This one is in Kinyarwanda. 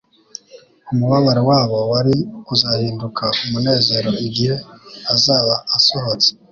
Umubabaro wabo wari kuzahinduka umunezero igihe azaba asohotse.